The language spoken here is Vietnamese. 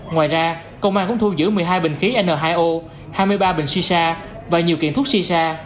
ngoài ra công an cũng thu giữ một mươi hai bình khí n hai o hai mươi ba bình xì xa và nhiều kiện thuốc xì xa